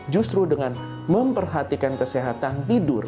justru dengan memperhatikan kesehatan tidur